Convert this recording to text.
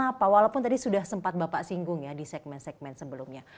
dan kenapa walaupun tadi sudah sempat bapak singgung ya di segmen segmen sebelumnya